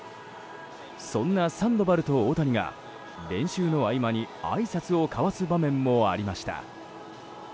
そんなサンドバルと大谷が練習の合間にあいさつを交わす場面もありました。